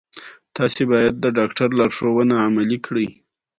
افغانستان د مېوې د ساتنې لپاره قوانین لري.